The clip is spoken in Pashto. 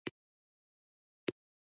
موټر د زندان له دروازې و وت.